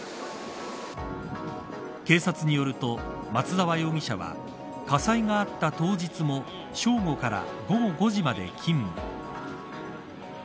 警察によると松沢容疑者は火災があった当日も正午から午後５時まで勤務。